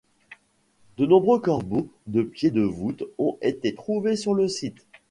De nombreux corbeaux de pieds de voûtes ont été trouvés sur le site.